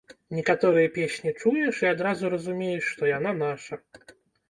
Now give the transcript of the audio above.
Некаторыя песні чуеш і адразу разумееш, што яна наша.